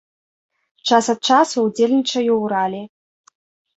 Час ад часу ўдзельнічаю ў ралі.